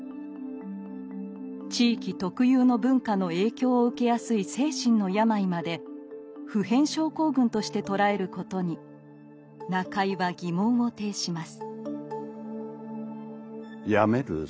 地域特有の文化の影響を受けやすい精神の病まで「普遍症候群」として捉えることに中井は疑問を呈します。